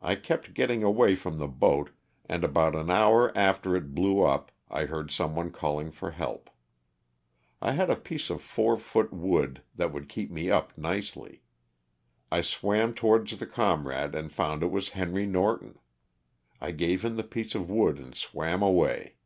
I kept getting away from the boat and about an hour after it blew up I heard some one calling for help. I had a piece of four foot wood that would keep me up nicely. I swam towards the comrade and found it was Henry Norton. I gave him the piece of wood and swam away.